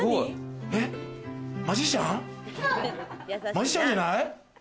マジシャンじゃない？